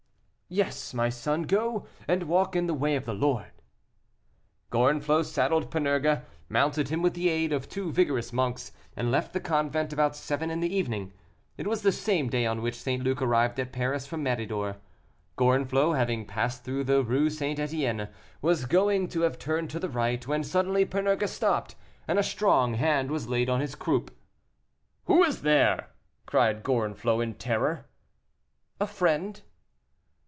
"Yes, my son, go and walk in the way of the Lord." Gorenflot saddled Panurge, mounted him with the aid of two vigorous monks, and left the convent about seven in the evening. It was the same day on which St. Luc arrived at Paris from Méridor. Gorenflot, having passed through the Rue St. Etienne, was going to have turned to the right, when suddenly Panurge stopped; a strong hand was laid on his croup. "Who is there?" cried Gorenflot, in terror. "A friend."